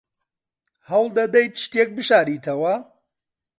هەوڵ دەدەیت شتێک بشاریتەوە؟